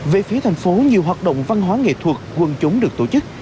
về phía thành phố nhiều hoạt động văn hóa nghệ thuật quân chúng được tổ chức